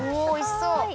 おおいしそう。